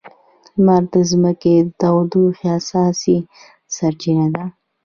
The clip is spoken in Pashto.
لمر د ځمکې د تودوخې اساسي سرچینه ده.